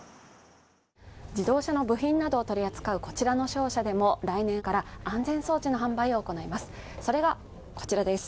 自動車の部品などを取り扱うこちらの商社でも、来年から安全装置の販売を行います。